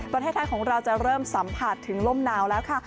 ประเทศไทยของเราจะเริ่มสัมผัสถึงลมหนาวแล้วค่ะ